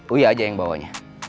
uya aja yang bawanya